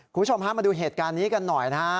คุณผู้ชมฮะมาดูเหตุการณ์นี้กันหน่อยนะฮะ